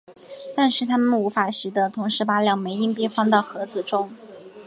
但是它们无法习得同时把两枚硬币放到盒子中。